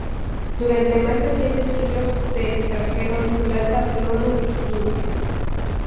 Durante más de siete siglos se extrajeron plata, plomo y zinc.